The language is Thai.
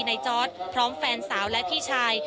จอร์ดพร้อมแฟนสาวและพี่ชาย